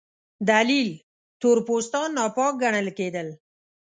دلیل: تور پوستان ناپاک ګڼل کېدل.